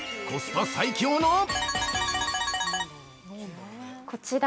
コスパ最強の○○。